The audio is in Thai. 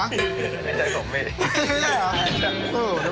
ไม่ใช่ผมดิ